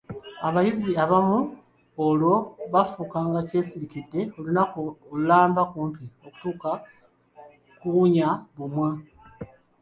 Abayizi abamu olwo baafuukanga kyesirikidde olunaku lulamba kumpi kutuuka kuwunya bumwa.